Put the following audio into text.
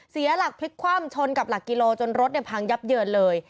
เสียหลักพลิกคว่ำชนกับหลักกิโลจนรถพังยับเยินเลย